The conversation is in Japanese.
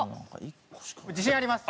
自信あります。